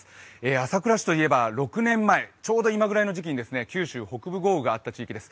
朝倉市といえば６年前、ちょうど今ぐらいの時期に九州北部豪雨があった時期です。